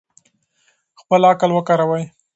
خپل عقل وکاروئ.